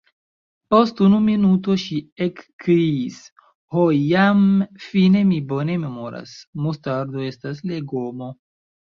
Post unu minuto ŝi ekkriis: "Ho jam fine mi bone memoras: Mustardo estas legomo. »